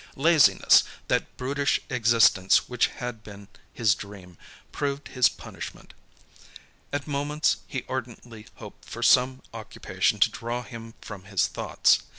Laziness, that brutish existence which had been his dream, proved his punishment. At moments, he ardently hoped for some occupation to draw him from his thoughts.